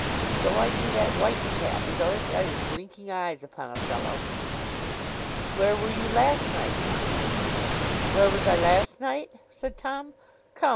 So I do that white chap; he's always got his blinking eyes upon a fellow.' 'Where were you last night, Tom?' 'Where was I last night!' said Tom. 'Come!